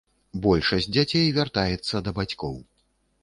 Большасць дзяцей вяртаецца да бацькоў.